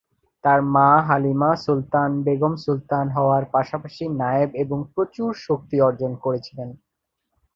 তাঁর মা হালিমা সুলতান বেগম সুলতান হওয়ার পাশাপাশি নায়েব এবং প্রচুর শক্তি অর্জন করেছিলেন।